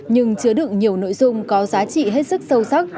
nhưng chứa đựng nhiều nội dung có giá trị hết sức sâu sắc